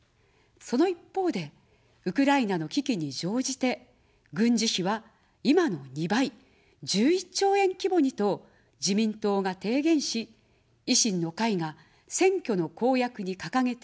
その一方で、ウクライナの危機に乗じて、軍事費は今の２倍、１１兆円規模にと自民党が提言し、維新の会が選挙の公約に掲げてあおっています。